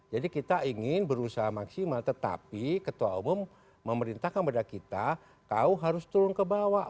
jadi kita ingin berusaha maksimal tetapi ketua umum memerintahkan pada kita kau harus turun ke bawah